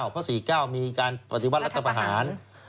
เพราะ๔๙มีการปฏิวัติรัฐประหาร